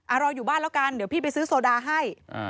รออยู่บ้านแล้วกันเดี๋ยวพี่ไปซื้อโซดาให้